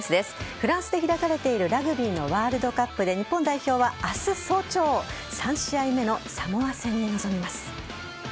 フランスで開かれているラグビーのワールドカップで日本代表は明日早朝３試合目のサモア戦に臨みます。